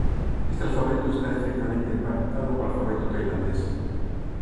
Este alfabeto está estreitamente emparentado co alfabeto tailandés.